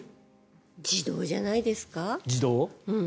自動じゃないですか。